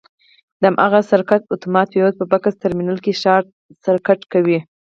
د هماغه سرکټ اتومات فیوز په بکس ټرمینل کې شارټ سرکټ کوي.